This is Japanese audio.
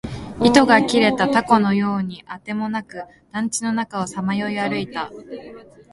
糸が切れた凧のようにあてもなく、団地の中をさまよい歩いた